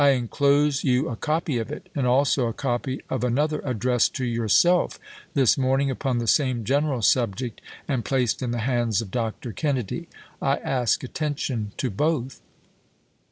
I inclose you a copy of it, and also a copy of another addressed to your self this morning upon the same general subject, and O02 ABRA.HAM LINCOLN Chap. xxi. placed ill the hands of Dr. Kennedy. I ask attention to both.